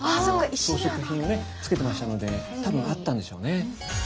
装飾品をねつけてましたので多分あったんでしょうね。